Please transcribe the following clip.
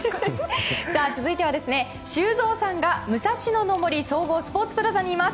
続いては修造さんが武蔵野の森総合スポーツプラザにいます。